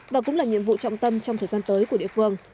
và cũng là nhiệm vụ trọng tâm trong thời gian tới của địa phương